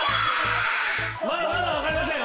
まだ分かりませんよ！